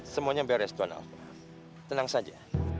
semuanya beres tuan alva tenang saja